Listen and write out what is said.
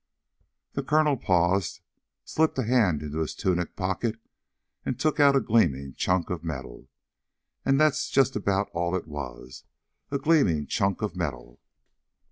The colonel paused, slipped a hand into his tunic pocket and took out a gleaming chunk of metal. And that's just about all it was: a gleaming chunk of metal.